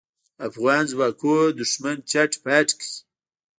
افغان ځواکونو دوښمن چټ پټ کړ.